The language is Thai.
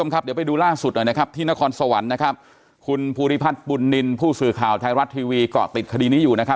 ครับเดี๋ยวไปดูล่าสุดหน่อยนะครับที่นครสวรรค์นะครับคุณภูริพัฒน์บุญนินทร์ผู้สื่อข่าวไทยรัฐทีวีเกาะติดคดีนี้อยู่นะครับ